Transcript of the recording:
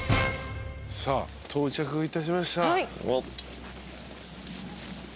さあ到着いたしました。